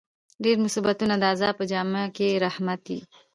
ډېر مصیبتونه د عذاب په جامه کښي رحمت يي.